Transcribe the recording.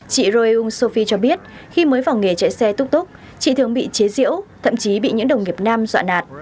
chị royung sofi cho biết khi mới vào nghề chạy xe túc túc chị thường bị chế diễu thậm chí bị những đồng nghiệp nam dọa nạt